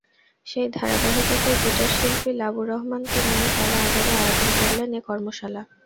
সেই ধারাবাহিকতায় গিটারশিল্পী লাবু রহমানকে নিয়ে তারা আবারও আয়োজন করলেন এ কর্মশালা।